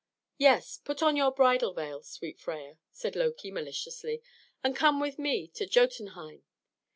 "Yes; put on your bridal veil, sweet Freia," said Loki maliciously, "and come with me to Jotunheim.